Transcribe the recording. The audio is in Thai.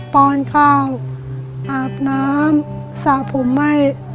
ปอนข้าวอาบน้ำสระผมให้